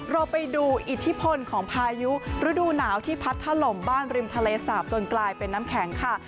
เราไปดูอิทธิพลของพายุฤดูหนาวที่พัดถล่มบ้านริมทะเลสาบจนกลายเป็นน้ำแข็งค่ะ